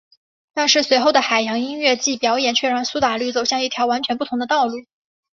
但是随后的海洋音乐季表演却让苏打绿走向一条完全不同的道路。